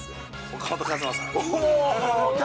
岡本和真さん。